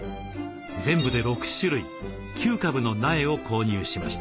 全部で６種類９株の苗を購入しました。